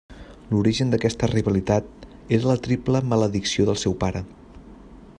L'origen d'aquesta rivalitat era la triple maledicció del seu pare.